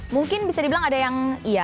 mungkin bisa dibilang ada yang iya satu orang iya